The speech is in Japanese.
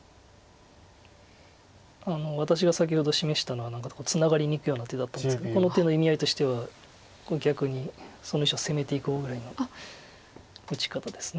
私が先ほど示したのはツナがりにいくような手だったんですけどこの手の意味合いとしては逆にその石を攻めていこうぐらいの打ち方です。